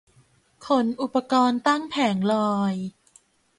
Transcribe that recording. ขนอุปกรณ์ตั้งแผงลอย